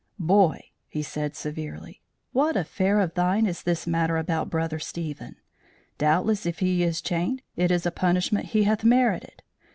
"Boy," he said, severely, "what affair of thine is this matter about Brother Stephen? Doubtless if he is chained, it is a punishment he hath merited.